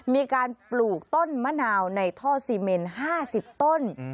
มีการปลูกต้นมะนาวในท่อซีเมน๕๐ต้น